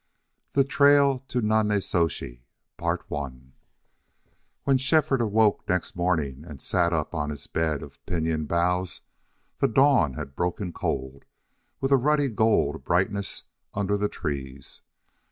THE TRAIL TO NONNEZOSHE When Shefford awoke next morning and sat up on his bed of pinyon boughs the dawn had broken cold with a ruddy gold brightness under the trees.